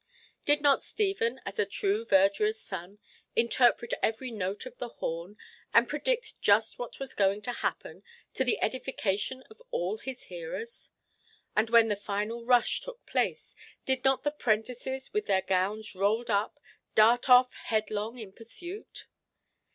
Did not Stephen, as a true verdurer's son, interpret every note on the horn, and predict just what was going to happen, to the edification of all his hearers? And when the final rush took place, did not the prentices, with their gowns rolled up, dart off headlong in pursuit?